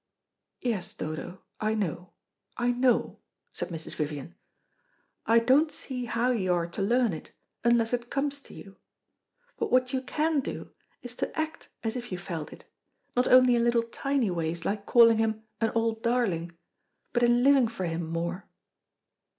"Yes, Dodo, I know, I know," said Mrs. Vivian. "I don't see how you are to learn it, unless it comes to you; but what you can do, is to act as if you felt it, not only in little tiny ways, like calling him an 'old darling,' but in living for him more."